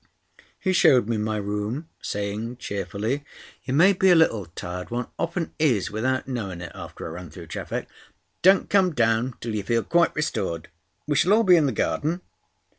He showed me my room, saying cheerfully: "You may be a little tired. One often is without knowing it after a run through traffic. Don't come down till you feel quite restored. We shall all be in the garden."